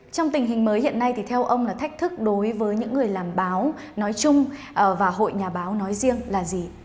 trong tình hình mới hiện nay thì theo ông là thách thức đối với những người làm báo nói chung và hội nhà báo nói riêng là gì